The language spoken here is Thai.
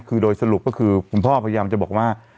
คือโดยสรุปก็คือคุณพ่อพยายามจะบอกว่า